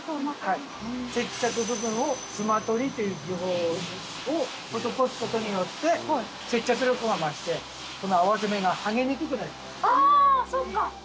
接着部分をつま取りという技法を施すことによって接着力が増してこの合わせ目が剥げにくくなります。